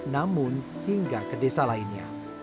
namun hingga ke desa lainnya